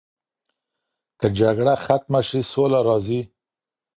که جګړه ختمه سي سوله راځي.